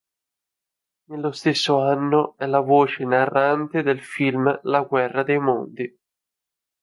Nello stesso anno è la voce narrante del film "La guerra dei mondi".